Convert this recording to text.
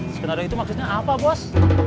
skenario itu maksudnya apa bos